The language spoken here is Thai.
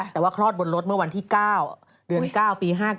แต่ว่าคลอดบนรถเมื่อวันที่๙เดือน๙ปี๕๙